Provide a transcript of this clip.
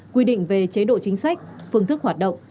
quy định về chế độ chính sách phương thức hoạt động